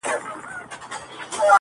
زما دعا به درسره وي زرکلن سې.!